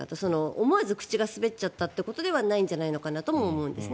思わず口が滑っちゃったということではないんじゃないかなとも思うんですね。